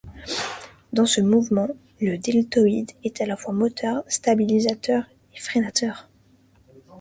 Dans ce mouvement, le deltoïde est à la fois moteur, stabilisateur et freinateur.